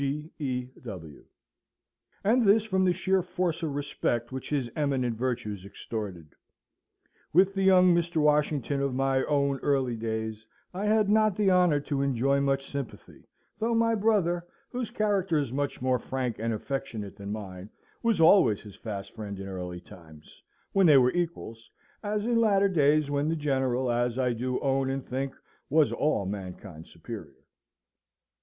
G. E. W.]. And this from the sheer force of respect which his eminent virtues extorted. With the young Mr. Washington of my own early days I had not the honour to enjoy much sympathy: though my brother, whose character is much more frank and affectionate than mine, was always his fast friend in early times, when they were equals, as in latter days when the General, as I do own and think, was all mankind's superior.